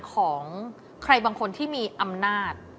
ของใครบางคนที่มีอำนาจ